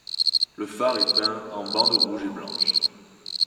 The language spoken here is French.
Le phare est peint en bandes rouges et blanches.